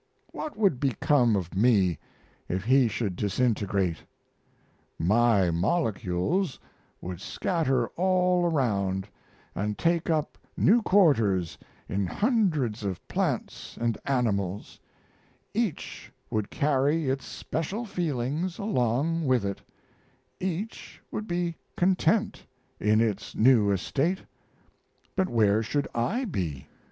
What would become of me if he should disintegrate? My molecules would scatter all around and take up new quarters in hundreds of plants and animals; each would carry its special feelings along with it, each would be content in its new estate, but where should I be?